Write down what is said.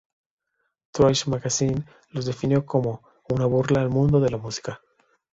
Thrash Magazine los definió como "una burla al mundo de la música".